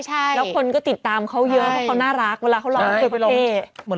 แล้วคนก็ติดตามเขาเยอะเพราะเขาน่ารักเวลาเขาร้องเพลง